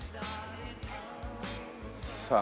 さあ。